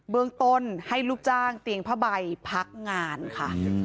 เมืองต้นให้ลูกจ้างเตียงผ้าใบพักงานค่ะ